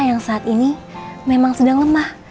yang saat ini memang sedang lemah